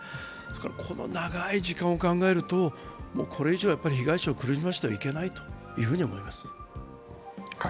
この長い時間を考えると、これ以上、被害者を苦しませてはいけないと思います。